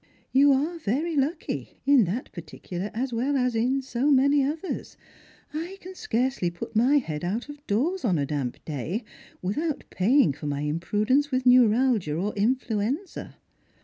" You are very lucky, in that particular as well as in so many others. I can scarcely put my head out of doors on a damp day without paying for my imprudence with neuralgia or influenza."